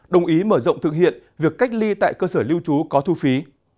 đồng ý mở rộng thực hiện việc cách ly tại cơ sở lưu trú có thu phí